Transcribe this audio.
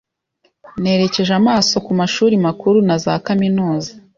Nerekeje amaso ku mashuri makuru na za kaminuza